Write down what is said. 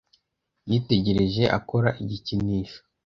Yitegereje akora igikinisho.